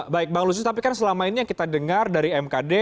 baik bang lusius tapi kan selama ini yang kita dengar dari mkd